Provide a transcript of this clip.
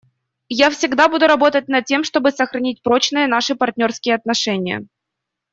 Я всегда буду работать над тем, чтобы сохранить прочными наши партнерские отношения.